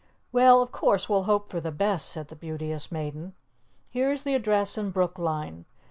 "Well, of course, we'll hope for the best," said the Beauteous Maiden. "Here is the address in Brookline.